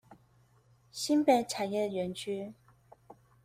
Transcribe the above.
新北產業園區